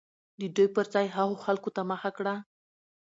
د دوى پر ځاى هغو خلكو ته مخه كړه